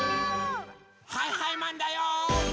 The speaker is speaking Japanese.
はいはいマンだよ！